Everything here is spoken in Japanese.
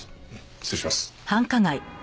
失礼します。